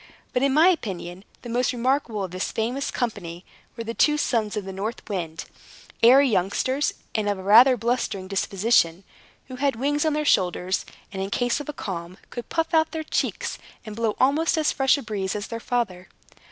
But in my opinion, the most remarkable of this famous company were two sons of the North Wind (airy youngsters, and of rather a blustering disposition) who had wings on their shoulders, and, in case of a calm, could puff out their cheeks, and blow almost as fresh a breeze as their father.